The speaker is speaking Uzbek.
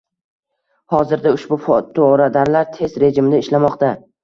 Hozirda ushbu fotoradarlar test rejimida ishlamoqda.